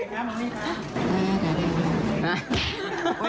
มันนี่นะคะ